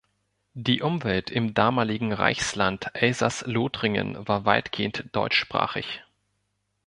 Die Umwelt im damaligen Reichsland Elsass-Lothringen war weitgehend deutschsprachig.